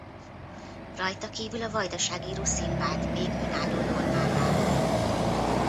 Rajta kívül a vajdasági ruszin vált még önálló normává.